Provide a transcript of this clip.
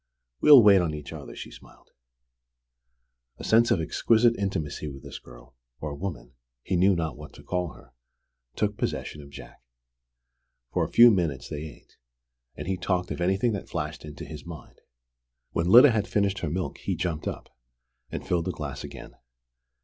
"We'll wait on each other," she smiled. A sense of exquisite intimacy with this girl, or woman (he knew not what to call her) took possession of Jack. For a few minutes they ate, and he talked of anything that flashed into his mind. When Lyda had finished her milk he jumped up, and filled the glass again.